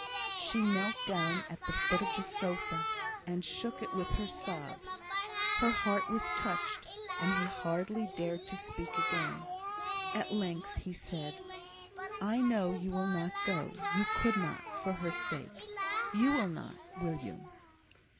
She knelt down at the foot of the sofa, and shook it with her sobs. Her heart was touched, and he hardly dared to speak again. At length he said: "I know you will not go you could not for her sake. You will not, will you?"